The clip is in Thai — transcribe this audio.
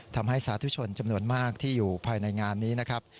สาธุชนจำนวนมากที่อยู่ภายในงานนี้นะครับ